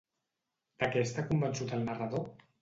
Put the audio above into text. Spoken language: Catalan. De què està convençut el narrador?